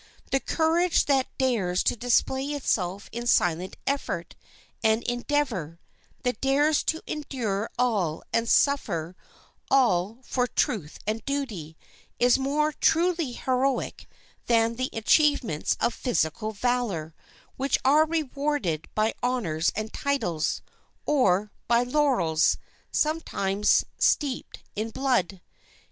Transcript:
The courage that dares to display itself in silent effort and endeavor, that dares to endure all and suffer all for truth and duty, is more truly heroic than the achievements of physical valor, which are rewarded by honors and titles, or by laurels, sometimes steeped in blood.